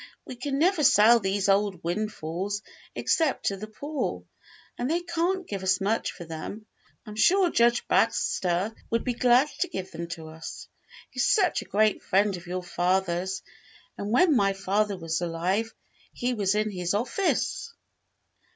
We can never sell these old windfalls, except to the poor, and they can't give us much for them. I'm sure Judge Baxter would be glad to give them to us. He's such a great friend of your father's, and when my father was alive he was in his office."